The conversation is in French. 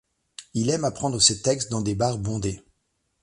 Il aime apprendre ses textes dans des bars bondés.